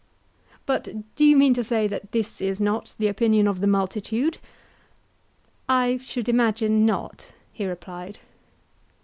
But do you mean to say that this is not the opinion of the multitude? I should imagine not, he replied.